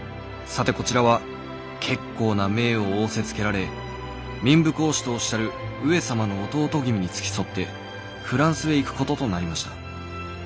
さてこちらは結構な命を仰せつけられ民部公子とおっしゃる上様の弟君に付き添ってフランスへ行くこととなりました」。